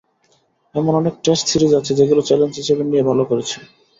এমন অনেক test series আছে যেগুলো চ্যালেঞ্জ হিসেবে নিয়ে ভালো করেছি।